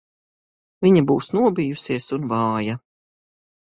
Viņa būs nobijusies un vāja.